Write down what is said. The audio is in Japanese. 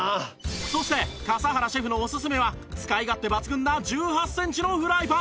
そして笠原シェフのおすすめは使い勝手抜群な１８センチのフライパン。